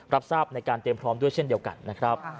รับทราบในการเตรียมพร้อมด้วยเช่นเดียวกันนะครับ